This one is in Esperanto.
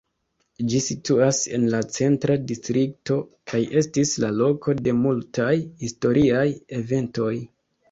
Ĝi situas en la Centra Distrikto kaj estis la loko de multaj historiaj eventoj.